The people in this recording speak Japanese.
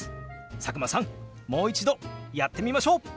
佐久間さんもう一度やってみましょう！